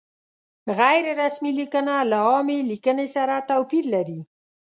غیر رسمي لیکنه له عامې لیکنې سره توپیر لري.